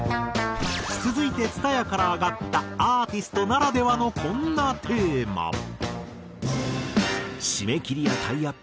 続いて蔦谷から挙がったアーティストならではのこんなテーマ。